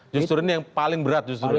justru ini yang paling berat justru